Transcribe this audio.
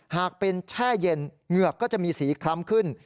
หากเป็นแช่เย็นเหงือกก็จะมีสีคล้ำขึ้น